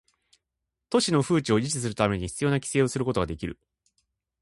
都市の風致を維持するため必要な規制をすることができる